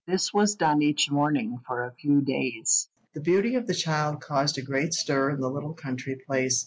This was done each morning for a few days. The beauty of the child caused a great stir in the little country place.